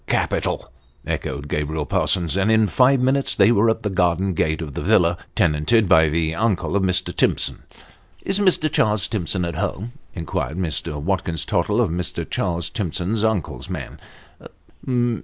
" Capital !" echoed Gabriel Parsons ; and in five minutes they were at the garden gate of the villa tenanted by the uncle of Mr. Timson. " Is Mr. Charles Timson at home ?" inquired Mr. Watkins Tottle of Mr. Charles Timson's uncle's man.